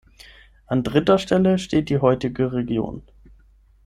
An dritter Stelle steht die heutige Region.